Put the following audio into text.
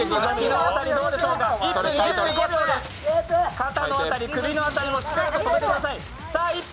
肩の辺り、首の辺りもしっかり止めてください。